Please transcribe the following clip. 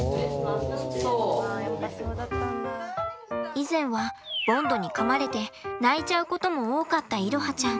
以前はボンドにかまれて泣いちゃうことも多かった彩羽ちゃん。